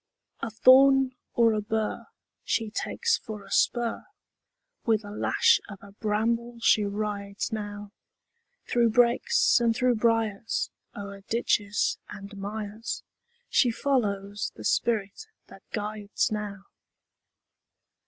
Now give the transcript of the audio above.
A thorn or a bur She takes for a spur; With a lash of a bramble she rides now, Through brakes and through briars, O'er ditches and mires, She follows the spirit that guides now.